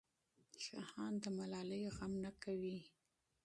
شاهان د ملالۍ غم نه کوي.